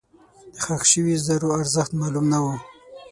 دښخ شوي زرو ارزښت معلوم نه و.